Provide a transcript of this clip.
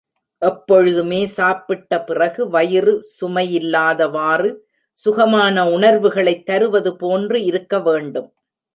எப்பொழுதுமே சாப்பிட்ட பிறகு, வயிறு சுமையில்லாதவாறு, சுகமான உணர்வுகளைத் தருவது போன்று இருக்க வேண்டும்.